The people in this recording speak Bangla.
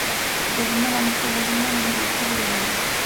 গোবিন্দমাণিক্য বলিলেন, আমি যুদ্ধ করিব না।